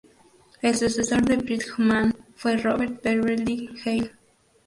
El sucesor de Bridgman fue Robert Beverly Hale.